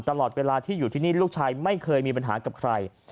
ตลอดเวลาที่อยู่ที่นี่ลูกชายไม่เคยมีปัญหากับใคร